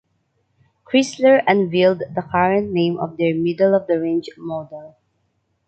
Chrysler unveiled the current name of their middle-of-the-range model.